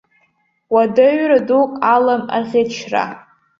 Уадаҩра дук алам аӷьычра.